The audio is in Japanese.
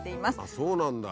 そうなんだ。